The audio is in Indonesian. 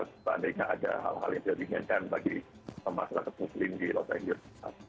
seandainya ada hal hal yang tidak diinginkan bagi masyarakat muslim di los angeles